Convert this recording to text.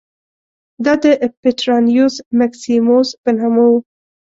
دا د پټرانیوس مکسیموس په نامه و